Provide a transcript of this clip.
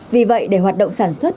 vì vậy để hoạt động sản xuất